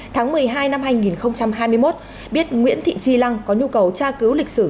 tháng một mươi hai năm hai nghìn hai mươi một biết nguyễn thị tri lăng có nhu cầu tra cứu lịch sử